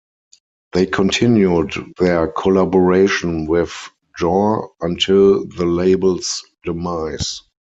They continued their collaboration with Jor until the label's demise.